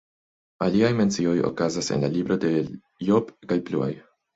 Aliaj mencioj okazas en la libro de Ijob kaj pluaj.